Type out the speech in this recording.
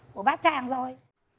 của bác chàng rồi